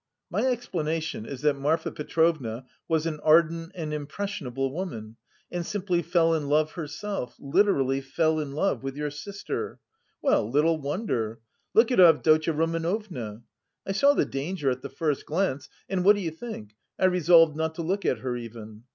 My explanation is that Marfa Petrovna was an ardent and impressionable woman and simply fell in love herself literally fell in love with your sister. Well, little wonder look at Avdotya Romanovna! I saw the danger at the first glance and what do you think, I resolved not to look at her even.